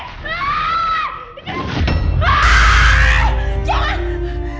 kita ke pulau pondok pelita ya ke bu andien